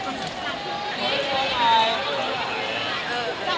ก็ไม่มีคนกลับมาหรือเปล่า